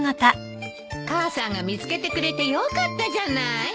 母さんが見つけてくれてよかったじゃない。